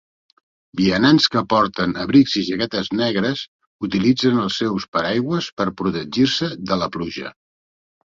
Vianants que porten abrics i jaquetes negres utilitzen els seus paraigües per protegir-se de la pluja.